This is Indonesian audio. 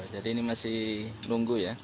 ini masih nunggu ya